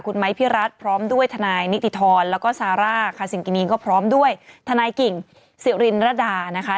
คุณไม้พี่รัฐพร้อมด้วยทนายนิติธรแล้วก็ซาร่าคาซิงกินีนก็พร้อมด้วยทนายกิ่งสิรินรดานะคะ